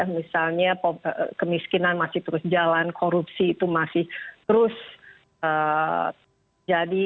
misalnya kemiskinan masih terus jalan korupsi itu masih terus jadi